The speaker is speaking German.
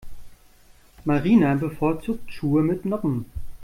Marina bevorzugt Schuhe mit Noppen.